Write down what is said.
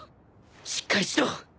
しっかりしろ！